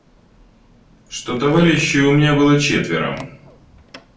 Что товарищей у меня было четверо: